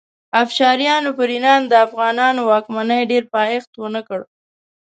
افشاریانو پر ایران د افغانانو واکمنۍ ډېر پایښت ونه کړ.